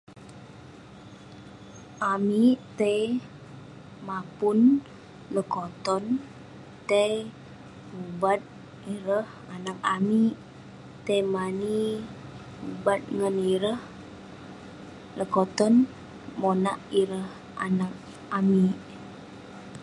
Amik tai mapun lekoton, tai pubat ireh anag amik, tai mani ubat ngan ireh lekoton..monak ireh anag amik.